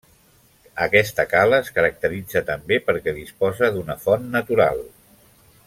Aquesta cala es caracteritza també perquè disposa d'una font natural.